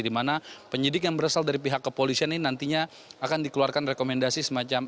di mana penyidik yang berasal dari pihak kepolisian ini nantinya akan dikeluarkan rekomendasi semacam